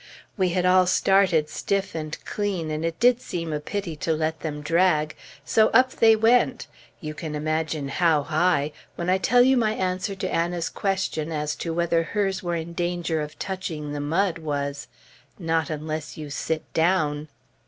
We had all started stiff and clean, and it did seem a pity to let them drag; so up they went you can imagine how high when I tell you my answer to Anna's question as to whether hers were in danger of touching the mud, was, "Not unless you sit down."